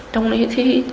trong lý thí